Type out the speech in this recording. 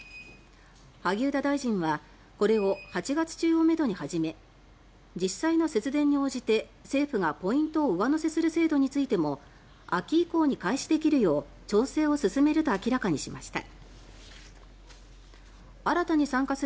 萩生田大臣はこれを８月中をめどに始め実際の節電に応じて政府がポイントを上乗せする制度についても秋以降に開始できるよう調整を進めると明らかにしました。